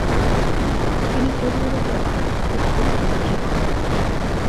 তিনি পোলিও রোগে আক্রান্ত হয়ে প্রতিবন্ধী হন।